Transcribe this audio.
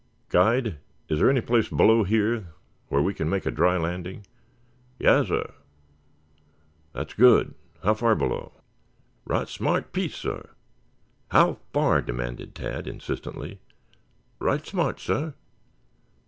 "Guide, is there any place below here where we can make a dry landing?" "Yassir." "That's good. How far below?" "Right smart piece, sah." "How far?" demanded Tad insistently. "Right smart, sah."